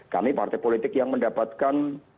kami partai politik yang mendapatkan